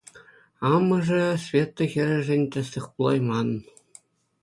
Амӑшӗ Света хӗрӗшӗн тӗслӗх пулайман.